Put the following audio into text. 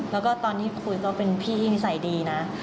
แล้วก็ตอนที่คุยก็เป็นพี่นิสัยดีนะ